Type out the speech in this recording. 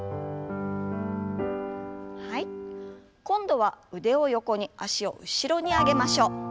今度は腕を横に脚を後ろに上げましょう。